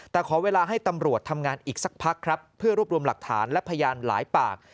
แต่ขอเวลาให้ตำรวจทำงานอีกสักพักครับเพื่อรวบรวมหลักฐานและพยานหลายปาก